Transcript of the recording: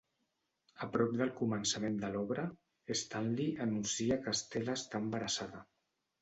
A prop del començament de l'obra, Stanley anuncia que Stella està embarassada.